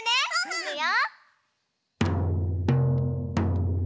いくよ。